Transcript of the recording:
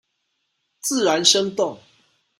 自然生動